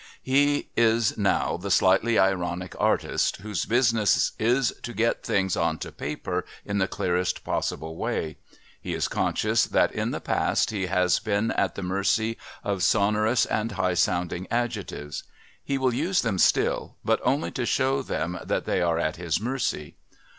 He is now the slightly ironic artist whose business is to get things on to paper in the clearest possible way. He is conscious that in the past he has been at the mercy of sonorous and high sounding adjectives. He will use them still, but only to show them that they are at his mercy.